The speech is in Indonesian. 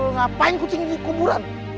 ngapain kucing ini kuburan